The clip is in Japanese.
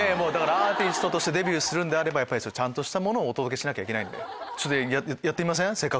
アーティストとしてデビューするんであればちゃんとしたものお届けしなきゃいけないんでやってみません？